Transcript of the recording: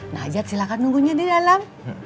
najat silahkan nunggunya di dalam